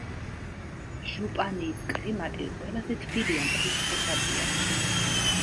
ჟუპანიის კლიმატი ყველაზე თბილია მთელს ხორვატიაში.